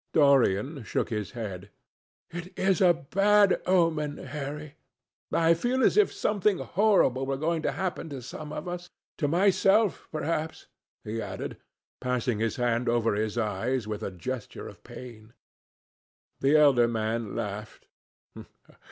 Dorian shook his head. "It is a bad omen, Harry. I feel as if something horrible were going to happen to some of us. To myself, perhaps," he added, passing his hand over his eyes, with a gesture of pain. The elder man laughed.